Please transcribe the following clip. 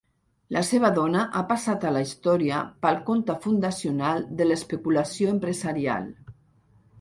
La seva dona ha passat a la història pel conte fundacional de l'especulació empresarial.